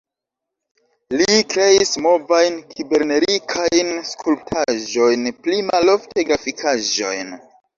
Li kreis movajn-kibernerikajn skulptaĵojn, pli malofte grafikaĵojn.